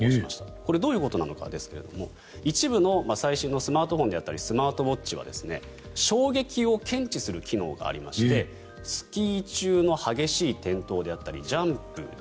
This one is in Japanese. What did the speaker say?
これ、どういうことなのかですが一部の最新のスマートフォンであったりスマートウォッチは衝撃を検知する機能がありましてスキー中の激しい転倒であったりジャンプで